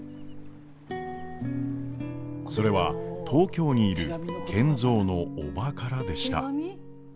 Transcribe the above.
それは東京にいる賢三の叔母からでした。